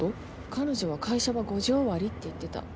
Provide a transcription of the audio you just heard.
彼女は会社が５時終わりって言ってた。